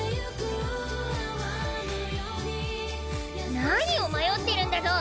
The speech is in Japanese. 何を迷ってるんだゾ！？